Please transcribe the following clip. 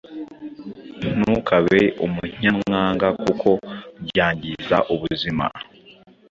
Ntukabe umunyamwaga kuko byangiza ubuzima